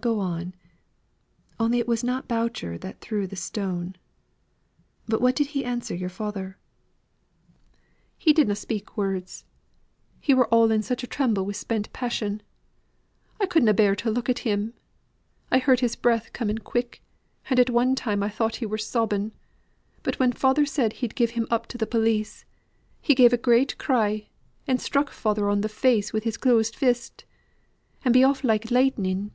Go on. Only it was not Boucher that threw the stone. But what did he answer to your father?" "He did na' speak words. He were all in such a tremble wi' spent passion, I could na' bear to look at him. I heard his breath coming quick, and at one time I thought he were sobbing. But when father said he'd give him up to police, he gave a great cry, and struck father on th' face wi' his closed fist, and he off like lightning.